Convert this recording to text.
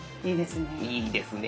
いいですね。